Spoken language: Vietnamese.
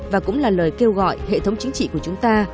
và cũng là lời kêu gọi hệ thống chính trị của chúng ta